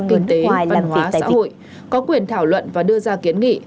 kinh tế văn hóa xã hội có quyền thảo luận và đưa ra kiến nghị